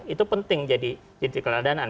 itu penting jadi titik keladanan